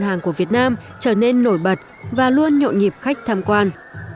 các dân hạng của việt nam trở nên nổi bật và luôn nhộn nhịp khách tham quan